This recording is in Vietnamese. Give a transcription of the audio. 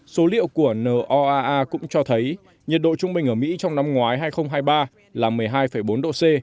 số liệu của n o a a cũng cho thấy nhiệt độ trung bình ở mỹ trong năm ngoái hai nghìn hai mươi ba là một mươi hai bốn độ c